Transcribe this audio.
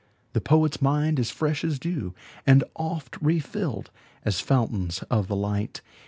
The poet's mind is fresh as dew, And oft refilled as fountains of the light.